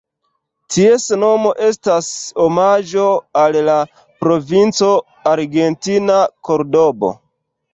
Ties nomo estas omaĝo al la provinco argentina Kordobo.